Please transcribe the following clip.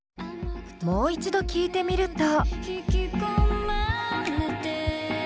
もう一度聴いてみると。